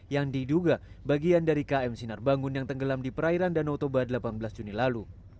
yang diduga bagian dari km sinar bangun yang tenggelam di perairan danau toba delapan belas juni lalu